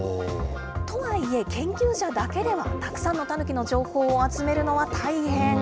とはいえ、研究者だけではたくさんのタヌキの情報を集めるのは大変。